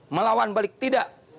melawan balik tidak